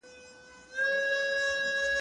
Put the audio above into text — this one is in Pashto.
د الله تعالی بښنه ډېره لويه ده.